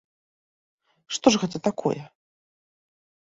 Што ж гэта такое?